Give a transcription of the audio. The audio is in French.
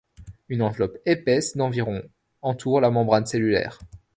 Une enveloppe épaisse d'environ entoure la membrane cellulaire.